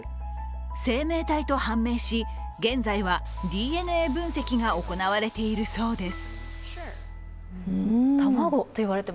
生命体と判明し、現在はＤＮＡ分析が行われているそうです。